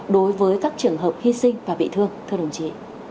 đối với các trường hợp hy sinh và bị thương thưa đồng chí